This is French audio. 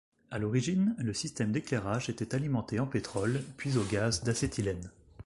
À l'origine, le système d'éclairage était alimenté en pétrole, puis au gaz d'acétylène.